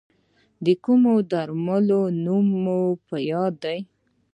د کومو درملو نوم مو په یاد دی؟